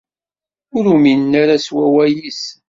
Ur uminen ara s wawal-is.